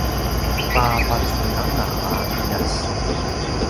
kipapacunanga a ’iljas